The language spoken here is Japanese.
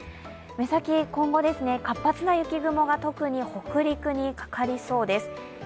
目先、今後活発な雪雲が特に北陸にかかりそうです。